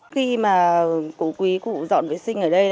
khi mà cụ quý cụ dọn vệ sinh ở đây